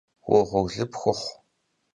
Vuğurlı pxuxhu!